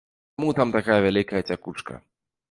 Таму там такая вялікая цякучка.